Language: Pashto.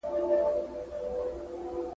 بیا هم ته نه وې لالا ..